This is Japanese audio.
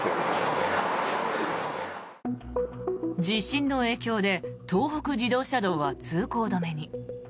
地震の影響で東北自動車道は通行止めに。